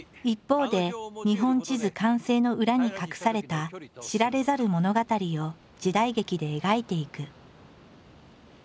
一方で日本地図完成の裏に隠された知られざる物語を時代劇で描いていく。